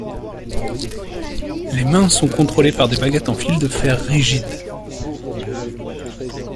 Les mains sont contrôlées par des baguettes en fil de fer rigide.